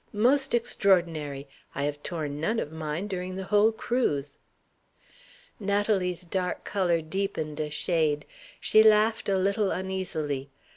Most extraordinary! I have torn none of mine during the whole cruise." Natalie's dark color deepened a shade. She laughed, a little uneasily.